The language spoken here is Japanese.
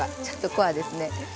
ちょっとコアですね。